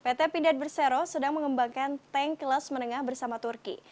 pt pindad bersero sedang mengembangkan tank kelas menengah bersama turki